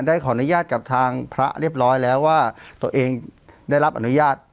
ได้ขออนุญาตกับทางพระเรียบร้อยแล้วว่าตัวเองได้รับอนุญาต